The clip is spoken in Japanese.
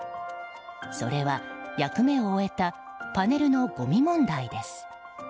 それは、役目を終えたパネルのごみ問題です。